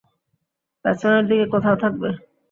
পেছনের দিকে কোথাও থাকবে।